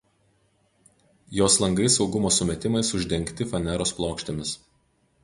Jos langai saugumo sumetimais uždengti faneros plokštėmis.